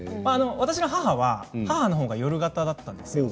私の母は母のほうが夜型だったんです。